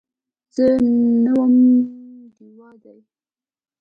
زه نوم ډیوه دی